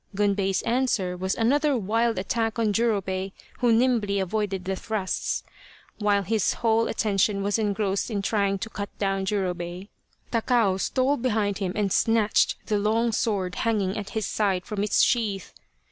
Gunbei's answer was another wild attack on Jurobei, who nimbly avoided the thrusts. While his whole attention was engrossed in trying to cut down Jurobei, Takao stole behind him and snatched the long sword hanging at his side from its sheath.